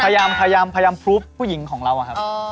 พยายามพยายามฟลูฟผู้หญิงของเราอะครับ